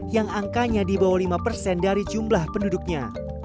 yang angkanya di bawah lima persen dari jumlah penduduknya